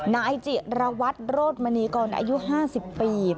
นายจิรวรรษโรธมณีก่อนอายุ๕๐ปี